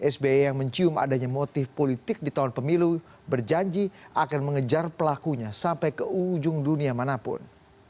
sby yang mencium adanya motif politik di tahun pemilu berjanji akan mengejar pelakunya sampai ke ujung dunia manapun